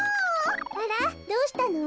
あらっどうしたの？